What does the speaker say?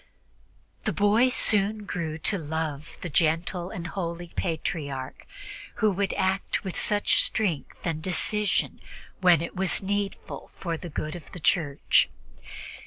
The boy soon grew to love the gentle and holy Patriarch, who could act with such strength and decision when it was needful for the good of the Church.